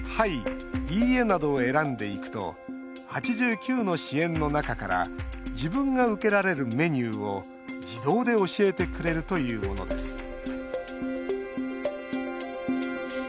「いいえ」などを選んでいくと８９の支援の中から自分が受けられるメニューを自動で教えてくれるというものです